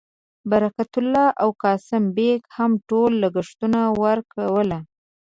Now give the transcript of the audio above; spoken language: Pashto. برکت الله او قاسم بېګ هم ټول لګښتونه ورکول.